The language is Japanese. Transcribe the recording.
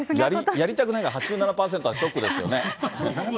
やりたくないが８７％はショックですよね。